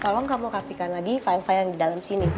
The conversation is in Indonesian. tolong kamu kapikan lagi fine file yang di dalam sini